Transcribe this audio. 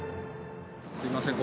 すいません